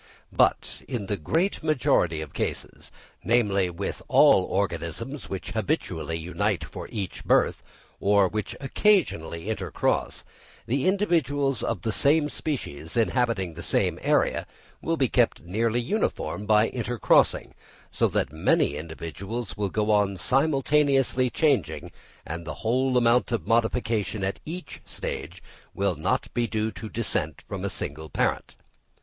But in the great majority of cases, namely, with all organisms which habitually unite for each birth, or which occasionally intercross, the individuals of the same species inhabiting the same area will be kept nearly uniform by intercrossing; so that many individuals will go on simultaneously changing, and the whole amount of modification at each stage will not be due to descent from a single parent.